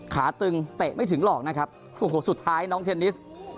ตึงเตะไม่ถึงหรอกนะครับโอ้โหสุดท้ายน้องเทนนิส